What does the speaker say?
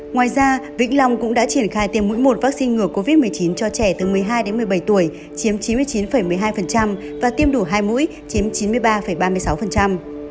ngoài ra vĩnh long cũng đã triển khai tiêm mũi một vaccine ngừa covid một mươi chín cho trẻ từ một mươi hai đến một mươi bảy tuổi chiếm chín mươi chín một mươi hai và tiêm đủ hai mũi chiếm chín mươi ba ba mươi sáu